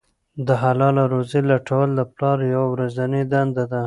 د حلاله روزۍ لټول د پلار یوه ورځنۍ دنده ده.